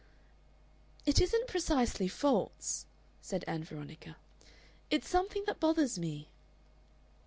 "It isn't precisely faults," said Ann Veronica. "It's something that bothers me."